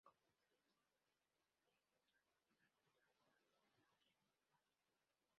Comienza un año más tarde sus primeros trabajos rehabilitando naves industriales de Madrid.